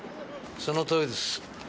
そのとおりです。